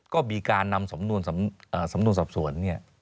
ก็มีการนำสำนวนส่วน